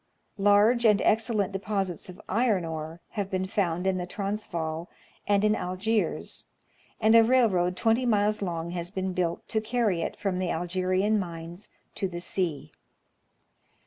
Large and excellent deposits of iron ore have been fou.nd in the Transvaal and in Algiers, and a railroad 20 miles long has been built to carry it from the Algerian mines to the sea.